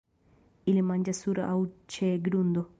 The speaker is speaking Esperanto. Ili manĝas sur aŭ ĉe grundo.